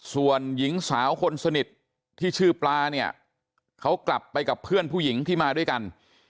ส่วนหญิงสาวคนสนิทที่ชื่อปลาเนี่ยเขากลับไปกับเพื่อนผู้หญิงที่มาด้วยกัน